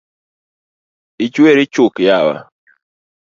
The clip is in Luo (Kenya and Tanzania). Ichweri chuk yawa?